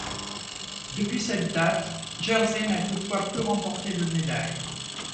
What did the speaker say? Depuis cette date, Jersey n'a toutefois plus remporté de médailles.